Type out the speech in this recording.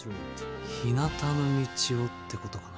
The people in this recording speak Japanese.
「ひなたの道を」ってことかな。